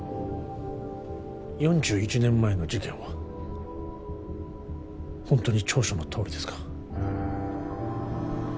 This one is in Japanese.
４１年前の事件はホントに調書のとおりですか？